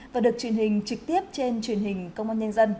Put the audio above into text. và được truyền hình trực tiếp trên truyền hình công an nhân dân